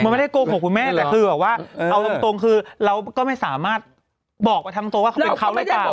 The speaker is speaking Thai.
มันไม่ได้โกหกคุณแม่แต่คือแบบว่าเอาตรงคือเราก็ไม่สามารถบอกไปทางตัวว่าเขาเป็นเขาหรือเปล่า